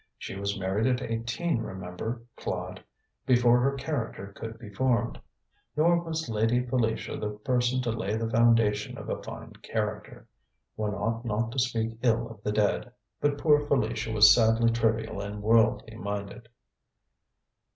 She was married at eighteen, remember, Claude before her character could be formed. Nor was Lady Felicia the person to lay the foundation of a fine character. One ought not to speak ill of the dead but poor Felicia was sadly trivial and worldly minded."